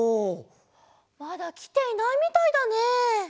まだきていないみたいだね。